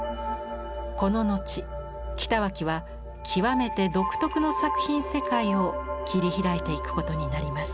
この後北脇は極めて独特の作品世界を切り開いていくことになります。